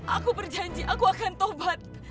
aku berjanji aku akan tobat